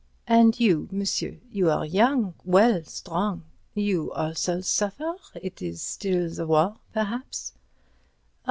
"And you, monsieur? You are young, well, strong—you also suffer? It is still the war, perhaps?"